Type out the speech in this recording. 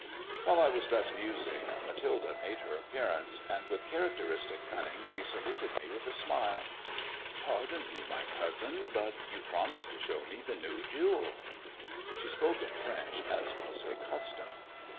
While I was thus musing, Mathilde made her appearance, and with characteristic cunning, she saluted me with a smile. "Pardon me, my cousin, but you promised to show me the new jewel." She spoke in French, as was her custom.